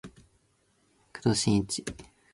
お前が工藤新一っちゅう女か